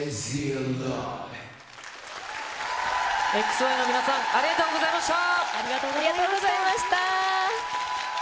ＸＹの皆さん、ありがとうごありがとうございました。